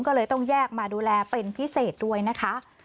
ก็เลยต้องแยกมาดูแลเป็นพิเศษด้วยนะคะ